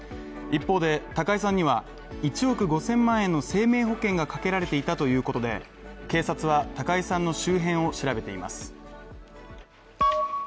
一方で高井さんには１億５０００万円の生命保険がかけられていたということで警察は高井さんの周辺を調べています。